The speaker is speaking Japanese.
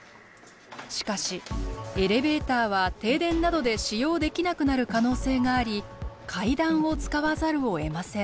しかしエレベーターは停電などで使用できなくなる可能性があり階段を使わざるをえません。